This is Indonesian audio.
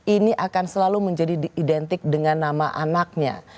ini akan selalu menjadi identik dengan nama anaknya